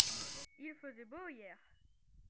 Il faisait beau hier.